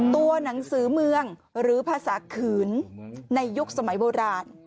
ตัวหนังสือเมืองหรือภาษาขืนในยุคสมัยโบราณ